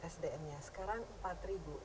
sdm nya sekarang empat ribu